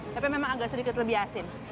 tapi memang agak sedikit lebih asin